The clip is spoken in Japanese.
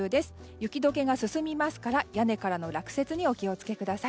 雪解けが進みますから屋根からの落雪にお気を付けください。